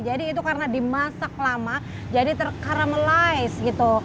jadi itu karena dimasak lama jadi terkaramelize gitu